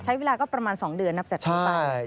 ใช้เวลาก็ประมาณ๒เดือนครับจากทุกปัน